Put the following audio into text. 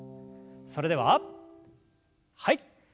それでははい。